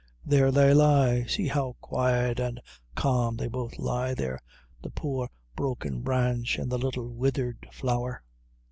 There they lie! see how quiet an' calm they both lie there, the poor broken branch, an' the little withered flower!"